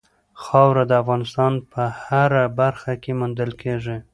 خاوره د افغانستان په هره برخه کې موندل کېږي.